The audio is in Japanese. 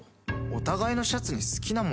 お互いのシャツに好きなもの